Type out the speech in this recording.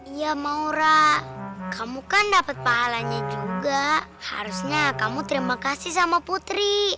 iya maura kamu kan dapat pahalanya juga harusnya kamu terima kasih sama putri